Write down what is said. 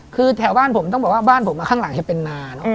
คือแถวบ้านผมต้องบอกว่าบ้านผมข้างหลังจะเป็นนาน